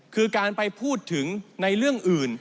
คือการไปพูดถึงในเรื่องอื่น